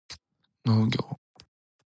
農業